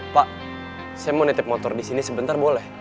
pak saya mau nitip motor disini sebentar boleh